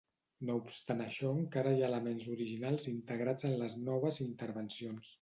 No obstant això encara hi ha elements originals integrats en les noves intervencions.